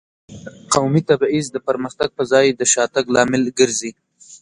قومي تبعیض د پرمختګ په ځای د شاتګ لامل ګرځي.